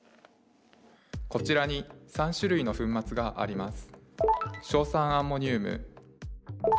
こちらに３種類の粉末があります。